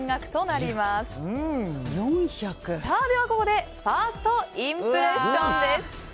それではファーストインプレッションです。